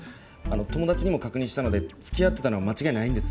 友達にも確認したので付き合ってたのは間違いないんです。